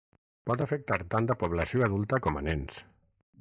Pot afectar tant a població adulta com a nens.